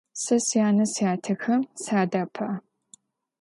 Сэ сянэ-сятэхэм садэӀэпыӀэ.